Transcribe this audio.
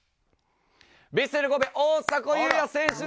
ヴィッセル神戸大迫勇也選手です。